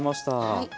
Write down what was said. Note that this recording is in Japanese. はい。